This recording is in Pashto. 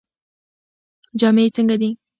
جامې یې څنګه دي؟